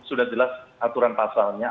sudah jelas aturan pasalnya